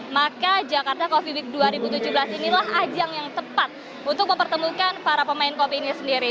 maka jakarta coffee week dua ribu tujuh belas inilah ajang yang tepat untuk mempertemukan para pemain kopi ini sendiri